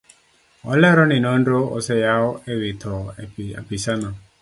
Olero ni nonro oseyaw ewi tho apisano.